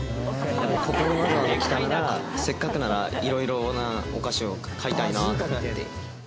ここにわざわざ来たならせっかくならいろいろなお菓子を買いたいなと思って。